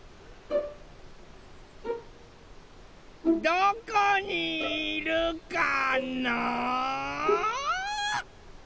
・どこにいるかな？